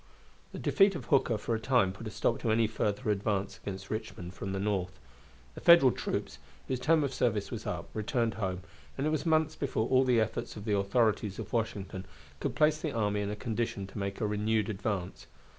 The defeat of Hooker for a time put a stop to any further advance against Richmond from the North. The Federal troops, whose term of service was up, returned home, and it was months before all the efforts of the authorities of Washington could place the army in a condition to make a renewed advance.